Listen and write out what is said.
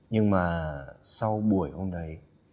nhưng mà sau buổi hôm đấy